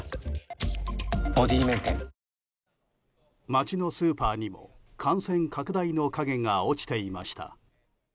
街のスーパーにも感染拡大の影が落ちていました。